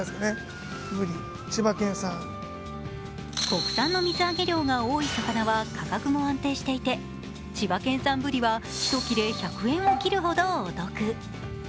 国産の水揚げ量が多い魚は価格も安定していて千葉県産ぶりは１切れ１００円を切るほどお得。